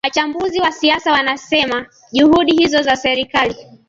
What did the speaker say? wachambuzi wa siasa wanasema juhudi hizo za serikali